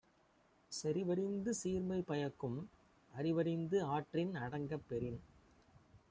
செறிவறிந்து சீர்மை பயக்கும் அறிவறிந்து ஆற்றின் அடங்கப் பெறின்